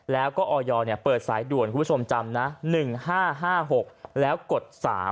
แล้วก็ออยเปิดสายด่วนคุณผู้ชมจำนะ๑๕๕๖แล้วกด๓